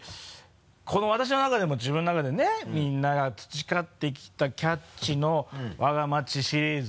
この私の中でも自分の中でねみんなが培ってきた「キャッチ！」の「わが町」シリーズ。